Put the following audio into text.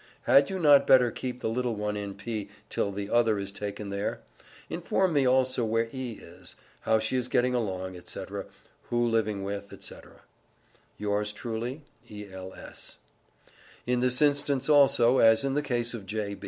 Had you not better keep the little one in P. till the other is taken there? Inform me also where E. is, how she is getting along, &c., who living with, &c. Yours Truly, E.L.S. In this instance, also, as in the case of "J.